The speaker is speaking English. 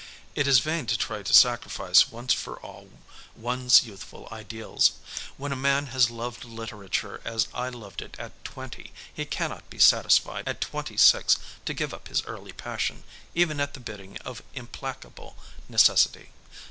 It is vain to try to sacrifice once for all one's youthful ideals. When a man has loved literature as I loved it at twenty, he cannot be satisfied at twenty six to give up his early passion, even at the bidding of implacable necessity.